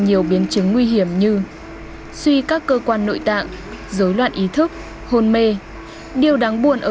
nhiều biến chứng nguy hiểm như suy các cơ quan nội tạng dối loạn ý thức hôn mê điều đáng buồn ở